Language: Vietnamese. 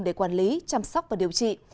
để quản lý chăm sóc và điều trị